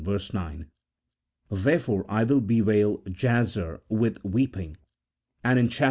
9), " Therefore I will bewail Jazer with weeping ;" and in chap.